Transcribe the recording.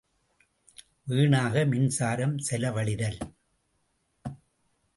வீணாக மின்சாரம் செலவழிதல்.